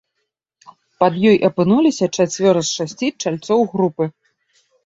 Пад ёй апынуліся чацвёра з шасці чальцоў групы.